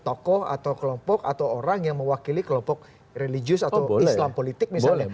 tokoh atau kelompok atau orang yang mewakili kelompok religius atau islam politik misalnya